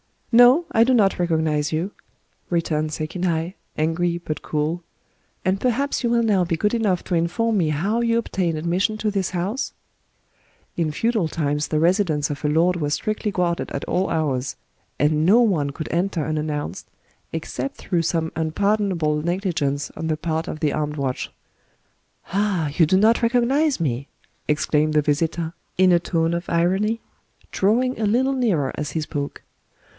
" No, I do not recognize you," returned Sekinai, angry but cool; — "and perhaps you will now be good enough to inform me how you obtained admission to this house ?" [In feudal times the residence of a lord was strictly guarded at all hours ; and no one could enter unannounced, except through some unpardonable negligence on the part of the armed watch.] " Ah, you do not recognize me !" exclaimed the visitor, in a tone of irony, drawing a little nearer as he spoke.